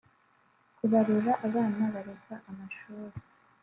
kubarura abana bareka amashuri